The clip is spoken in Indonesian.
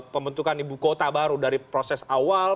pembentukan ibu kota baru dari proses awal